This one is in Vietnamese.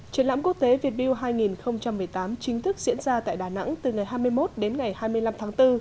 triển lãm quốc tế việt build hai nghìn một mươi tám chính thức diễn ra tại đà nẵng từ ngày hai mươi một đến ngày hai mươi năm tháng bốn